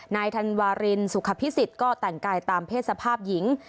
นายธันวารินสุขภิษฎก็แต่งกายตามเพศสภาพหญิง